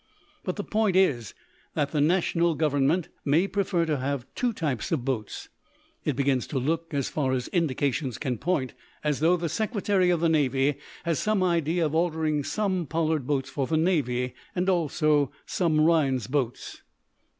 But the point is that the national government may prefer to have two types of boats. It begins to look, as far as indications can point, as though the Secretary of the Navy has some idea of ordering some Pollard boats for the Navy, and also some Rhinds boats."